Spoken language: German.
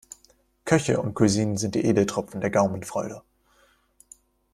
Köche und Cuisine sind die Edeltropfen der Gaumenfreude.